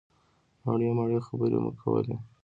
مړې مړې خبرې مو کولې.